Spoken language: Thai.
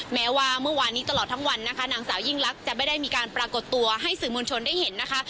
แม้ว่าเมื่อวานนี้ตลอดทั้งวันนะคะนางสาวยิ่งลักษณ์จะไม่ได้มีการปรากฏตัวให้สื่อมวลชนได้เห็นนะคะ